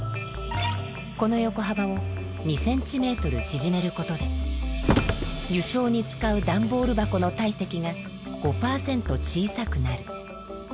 このよこはばを２ｃｍちぢめることで輸送に使う段ボール箱の体積が５％小さくなる。